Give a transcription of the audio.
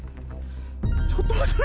ちょっと待って何？